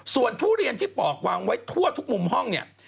ส่วนทุเรียนที่ปอกวางไว้ทั่วทุกมุมห้องเนี่ย